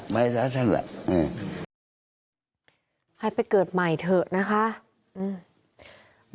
ไม่ซะนั่นแหละอืมให้ไปเกิดใหม่เถอะนะคะอืม